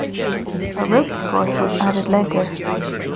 A ropes course was added later.